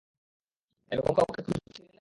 এরকম কাউকে খুঁজছিলি না?